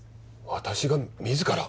私が自ら？